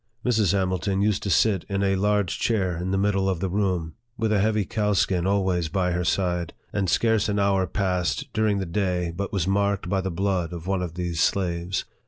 Mrs. Hamilton used to sit in a large chair in the middle of the room, with a heavy cowskin always by her side, and scarce an hour passed during the day but was marked by the blood of one of these slaves.